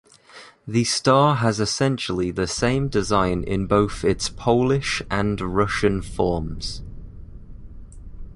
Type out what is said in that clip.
The star has essentially the same design in both its Polish and Russian forms.